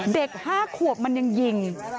เด็ก๕ขวบมันยังยิง